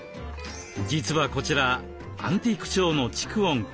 実はこちらアンティーク調の蓄音機。